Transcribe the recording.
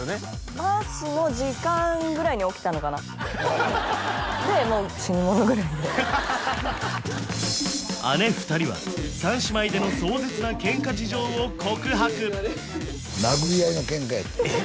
バスの時間ぐらいに起きたのかなでもう死にものぐるいで姉２人は３姉妹での壮絶なケンカ事情を告白殴り合いのケンカやってえっ！